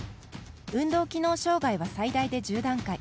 運動機能障がいは最大で１０段階。